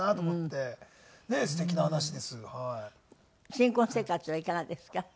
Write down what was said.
新婚生活はいかがですか？